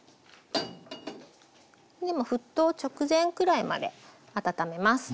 今沸騰直前くらいまで温めます。